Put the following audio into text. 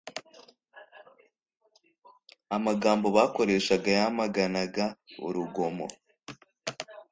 amagambo bakoreshaga yamaganaga urugomo